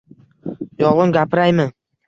Yolg'on gapiraymi?